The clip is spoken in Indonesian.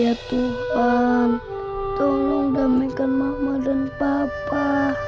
ya tuhan tolong damai kan mama dan papa